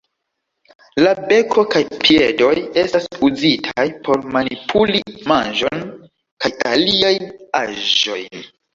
La beko kaj piedoj estas uzitaj por manipuli manĝon kaj aliajn aĵojn.